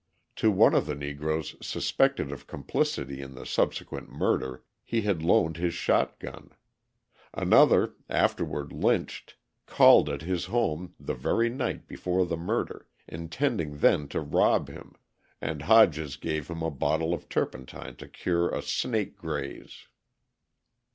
To one of the Negroes suspected of complicity in the subsequent murder, he had loaned his shot gun; another, afterward lynched, called at his home the very night before the murder, intending then to rob him, and Hodges gave him a bottle of turpentine to cure a "snake graze."